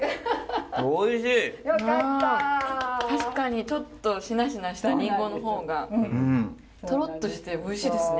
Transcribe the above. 確かにちょっとしなしなしたリンゴの方がトロッとしておいしいですね。